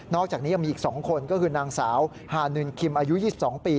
อกจากนี้ยังมีอีก๒คนก็คือนางสาวฮานินคิมอายุ๒๒ปี